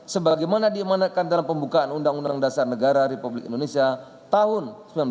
sebagaimana diamanatkan dalam pembukaan undang undang dasar negara republik indonesia tahun seribu sembilan ratus empat puluh lima